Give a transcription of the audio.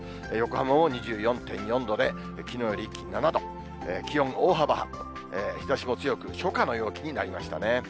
横浜も２４．４度で、きのうより一気に７度、気温大幅アップ、日ざしも強く、初夏の陽気になりましたね。